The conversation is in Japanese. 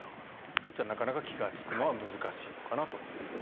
なかなか気がつくのは難しいかなと。